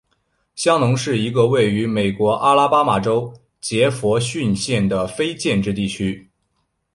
香农是一个位于美国阿拉巴马州杰佛逊县的非建制地区。